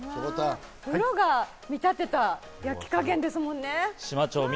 プロが見立てた焼き加減ですもんね。